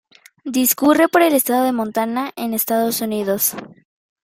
Discurre por el estado de Montana, en Estados Unidos.